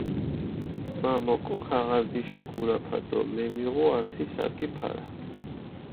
მა მოკო ქაღარდიში გურაფა დო მემიღუ ართი საკი ფარა.